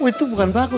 oh itu bukan banget